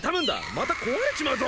また壊れちまうぞ！